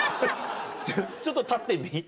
ちょっと立ってみ。